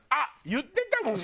言ってたもんね